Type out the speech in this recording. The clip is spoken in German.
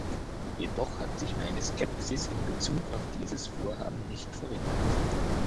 Jedoch hat sich meine Skepsis in Bezug auf dieses Vorhaben nicht verringert.